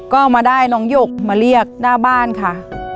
ก็มาได้น้องหยกมาเรียกหน้าบ้านค่ะ